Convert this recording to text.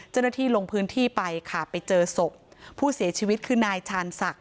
เจ้าหน้าที่ลงพื้นที่ไปค่ะไปเจอศพผู้เสียชีวิตคือนายชาญศักดิ